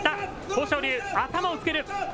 豊昇龍、頭をつける。